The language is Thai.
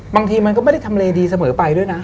บางทีมันก็ไม่ได้ทำเลดีเสมอไปด้วยนะ